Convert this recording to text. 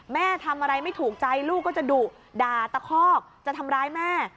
แม่ทำอะไรไม่ถูกใจลูกก็จะดุด่าตะคอกจะทำร้ายแม่